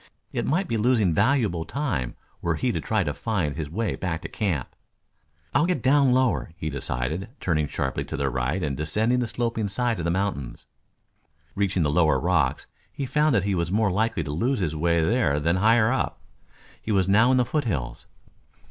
It might be losing valuable time were he to try to find his way back to camp. "I'll get down lower," he decided, turning sharply to the right and descending the sloping side of the mountains. Reaching the lower rocks, he found that he was more likely to lose his way there than higher up. He was now in the foothills.